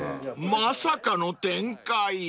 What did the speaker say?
［まさかの展開］